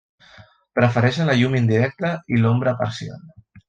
Prefereixen la llum indirecta i l'ombra parcial.